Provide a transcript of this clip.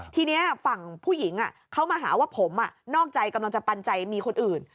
ทีนี้ฝั่งผู้หญิงเขามาหาว่าผมนอกใจกำลังจะปันใจมีคนอื่น